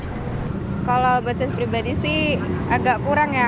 tapi kalau basis pribadi sih agak kurang ya